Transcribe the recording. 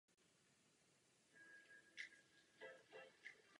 Během Slezských válek se město a značná část Slezska stalo součástí Pruska.